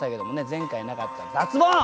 前回なかった脱ボン！